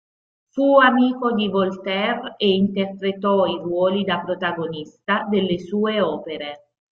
Fu amico di Voltaire ed interpretò i ruoli da protagonista delle sue opere.